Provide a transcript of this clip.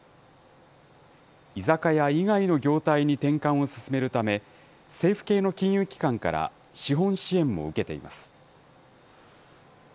居酒屋以外の業態に転換を進めるため、政府系の金融機関から資本支援も受けています。